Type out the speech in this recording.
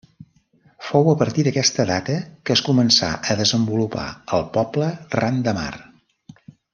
Fou a partir d'aquesta data que es començà a desenvolupar el poble ran de mar.